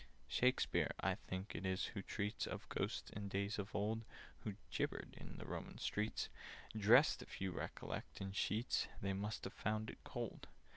"Shakspeare I think it is who treats Of Ghosts, in days of old, Who 'gibbered in the Roman streets,' Dressed, if you recollect, in sheets— They must have found it cold.